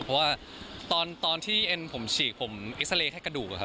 เพราะว่าตอนที่เอ็นผมฉีกผมเอ็กซาเลแค่กระดูก